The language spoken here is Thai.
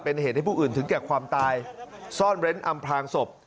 เป็นเหตุให้ผู้อื่นถึงแก่ความตายซ่อนเร้นอำพลางศพ